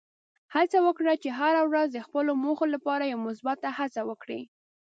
هڅه وکړه چې هره ورځ د خپلو موخو لپاره یوه مثبته هڅه وکړې.